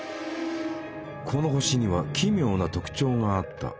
この星には奇妙な特徴があった。